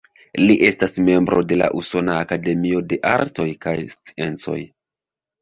Li estas membro de la Usona Akademio de Artoj kaj Sciencoj.